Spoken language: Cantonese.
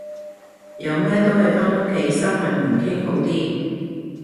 有咩都係返屋企閂埋門傾好啲